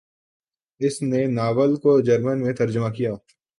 اس نے ناول کو جرمن میں ترجمہ کیا۔